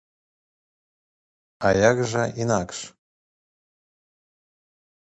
А як жа інакш?